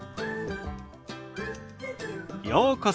ようこそ。